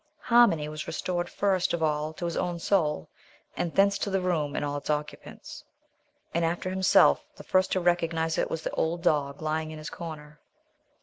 Harmony was restored first of all to his own soul, and thence to the room and all its occupants. And, after himself, the first to recognize it was the old dog lying in his corner.